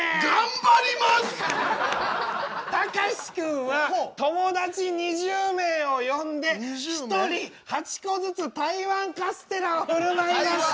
たかしくんは友達２０名を呼んで１人８個ずつ台湾カステラを振る舞いました。